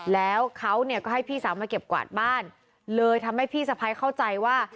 แล้วเขาก็ให้พี่สาวมาเก็บกวาดบ้านเลยทำให้พี่สะพ้ายเข้าใจว่า